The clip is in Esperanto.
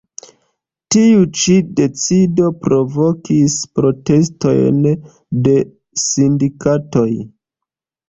Tiu ĉi decido provokis protestojn de sindikatoj.